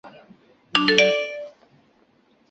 其产品为同德代工生产。